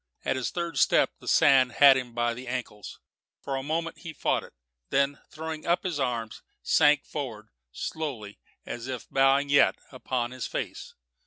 At his third step the sand had him by the ankles. For a moment he fought it, then, throwing up his arms, sank forward, slowly and as if bowing yet, upon his face.